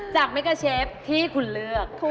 เมกาเชฟที่คุณเลือก